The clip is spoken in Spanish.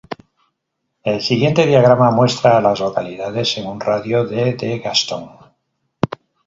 El siguiente diagrama muestra a las localidades en un radio de de Gaston.